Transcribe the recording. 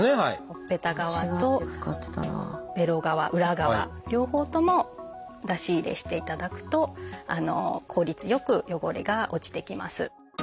ほっぺた側とべろ側裏側両方とも出し入れしていただくと効率良く汚れが落ちてきます。